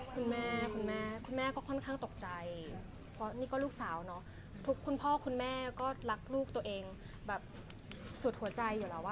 คุณแม่คุณแม่ก็ค่อนข้างตกใจเพราะนี่ก็ลูกสาวเนาะทุกคุณพ่อคุณแม่ก็รักลูกตัวเองแบบสุดหัวใจอยู่แล้ว